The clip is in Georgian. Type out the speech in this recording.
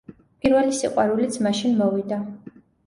პირველი სიყვარულიც მაშინ მოვიდა.